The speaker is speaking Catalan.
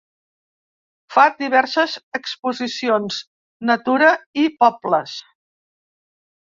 Fa diverses exposicions, Natura i pobles.